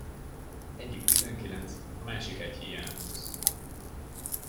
Egyik tizenkilenc, a másik egy híján húsz.